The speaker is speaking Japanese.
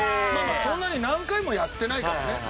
そんなに何回もやってないからね。